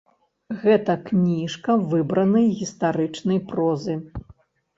Гэта кніжка выбранай гістарычнай прозы.